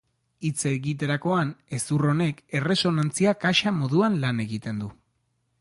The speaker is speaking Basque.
Hitz egiterakoan hezur honek erresonantzia-kaxa moduan lan egiten du.